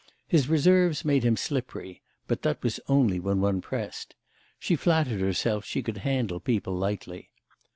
His reserves made him slippery, but that was only when one pressed. She flattered herself she could handle people lightly.